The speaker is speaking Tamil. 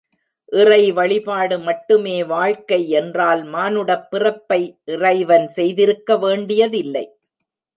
இறை வழிபாடு மட்டுமே வாழ்க்கை என்றால் மானுடப் பிறப்பை இறைவன் செய்திருக்க வேண்டியதில்லை.